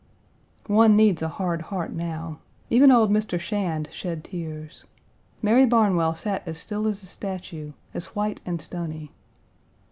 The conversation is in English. One needs a hard heart now. Even old Mr. Shand shed tears. Mary Barnwell sat as still as a statue, as white and stony.